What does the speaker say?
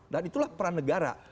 dan itulah peran negara